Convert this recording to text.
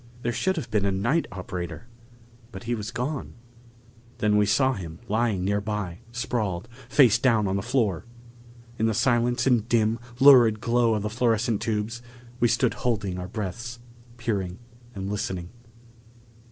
There should have been a night operator, but he was gone. Than we saw him lying nearby, sprawled, face down on the floor! In the silence and dim, lurid glow of the fluorescent tubes, we stood holding our breaths, peering and listening.